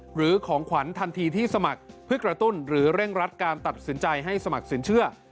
หรือของขวัญทันทีที่สมัครเพื่อกระตุ้นหรือเร่งรัดการตัดสินใจให้สมัครสินเชื่อ